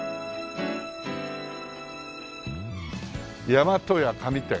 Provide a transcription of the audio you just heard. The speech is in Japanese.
「大和屋紙店」